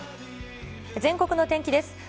全国の天気です。